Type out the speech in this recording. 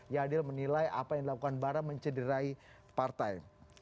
yadil menilai apa yang dilakukan bara mencederai partai